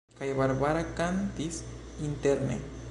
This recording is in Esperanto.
Kaj Barbara kantis interne.